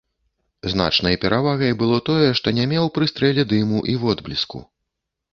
Значнай перавагай было тое, што не меў пры стрэле дыму і водбліску.